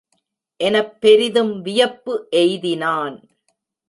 எனப் பெரிதும் வியப்பு எய்தினான்.